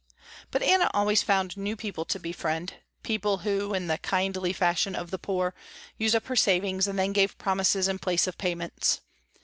But Anna always found new people to befriend, people who, in the kindly fashion of the poor, used up her savings and then gave promises in place of payments.